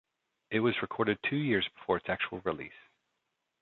It was recorded two years before its actual release.